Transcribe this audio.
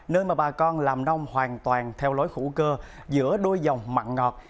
nơi mà bà con làm nông hoàn toàn theo lối hữu cơ giữa đôi dòng mặn ngọt